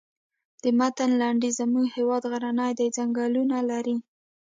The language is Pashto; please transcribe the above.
د متن لنډیز زموږ هېواد غرنی دی ځنګلونه لري.